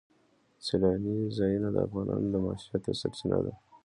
سیلاني ځایونه د افغانانو د معیشت یوه سرچینه ده.